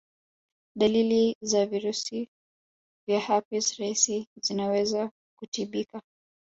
Dalili za virusi vya herpes rahisi zinaweza kutibika